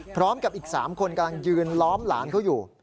พร้อมกับอีก๓คนกำลังยืนล้อมหลานเขาอยู่